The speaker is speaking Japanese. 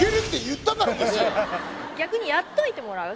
逆にやっといてもらう？